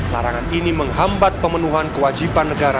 larangan ini menghambat pemenuhan kewajiban negara